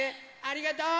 ありがとう！